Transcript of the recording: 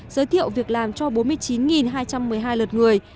giới thiệu việc làm cho bốn mươi chín hai trăm một mươi hai lượt người